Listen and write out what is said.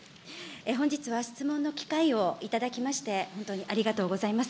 本日は質問の機会をいただきまして、本当にありがとうございます。